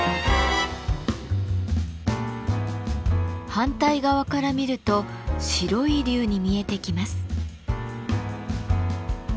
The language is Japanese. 反対側から見ると白い龍に見えてきます。